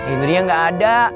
indri yang gak ada